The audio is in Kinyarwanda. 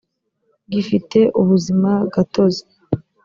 gifite ubuzima gatozi .